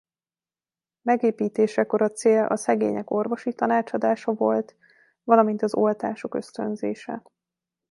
Megépítésekor a cél a szegények orvosi tanácsadása volt valamint az oltások ösztönzése.